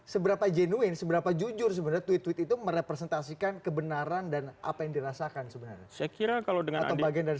seberapa jenuin seberapa jujur sebenarnya tweet tweet itu merepresentasikan kebenaran dan apa yang dirasakan sebenarnya